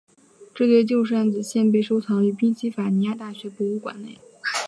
这对旧扇子现被收藏于宾夕法尼亚大学博物馆内。